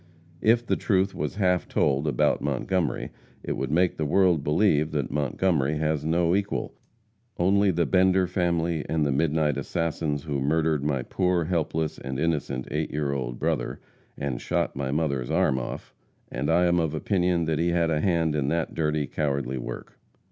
If the truth was half told about Montgomery, it would make the world believe that Montgomery has no equal, only the Bender family and the midnight assassins who murdered my poor, helpless and innocent eight year old brother, and shot my mother's arm off; and I am of opinion he had a hand in that dirty, cowardly work.